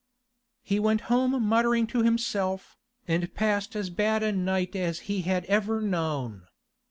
He went home muttering to himself, and passed as bad a night as he had ever known.